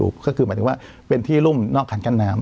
ก็คือหมายถึงว่าเป็นที่รุ่มนอกคันกั้นน้ำ